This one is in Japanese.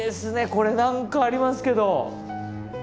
これ何かありますけど。